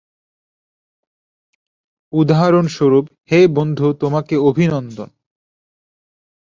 উদাহরণস্বরূপ- হে বন্ধু, তোমাকে অভিনন্দন।